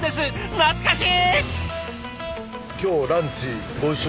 懐かしい！